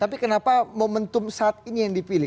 tapi kenapa momentum saat ini yang dipilih